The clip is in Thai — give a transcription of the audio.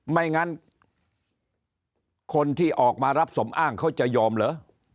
ไม่งั้นคนที่ออกมารับสมอ้างเขาจะยอมเหรอ